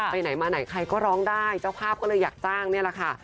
ไปไหนมาไหนใครก็ร้องได้เจ้าภาพก็เลยอยากจ้างนี่แหละค่ะ